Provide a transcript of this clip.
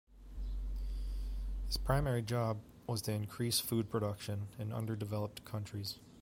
His primary job was to increase food production in underdeveloped countries.